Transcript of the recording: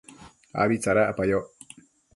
abi tsadacpayoc